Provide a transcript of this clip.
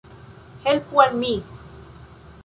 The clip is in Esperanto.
Helpu al mi.